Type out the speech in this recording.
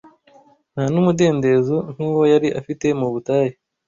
nta n’umudendezo nk’uwo yari afite mu butayu,